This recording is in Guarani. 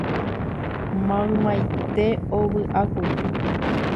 Maymaite ovyʼákuri.